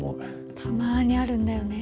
たまにあるんだよね